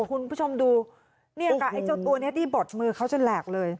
คุณผู้ชมดูเนี่ยค่ะไอ้เจ้าตัวนี้ที่บดมือเขาจนแหลกเลย